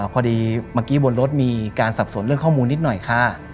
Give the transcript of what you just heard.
พอดีเมื่อกี้บนรถมีการสับสนเรื่องข้อมูลนิดหน่อยค่ะ